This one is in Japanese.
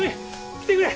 来てくれ。